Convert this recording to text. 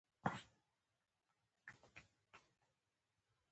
په ګڼ ځنګل کې مې دواړه ولیدل